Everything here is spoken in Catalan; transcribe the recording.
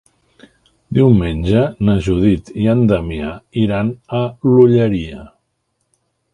Diumenge na Judit i en Damià iran a l'Olleria.